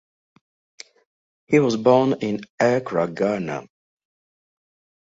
He was born in Accra, Ghana.